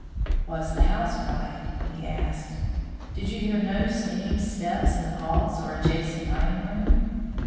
"Was the house quiet?" he asked. "Did you hear no sneaking step in the halls or adjacent dining room?"